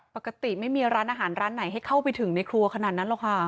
ปกติไม่มีร้านอาหารร้านไหนให้เข้าไปถึงในครัวขนาดนั้นหรอกค่ะ